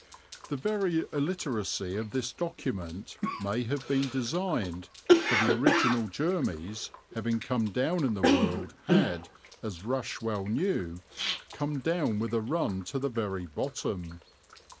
The very illiteracy of this document may have been designed, for the original Jermys, having come down in the world, had, as Rush well knew, come down with a run to the very bottom.